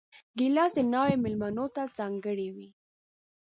ګیلاس د ناوې مېلمنو ته ځانګړی وي.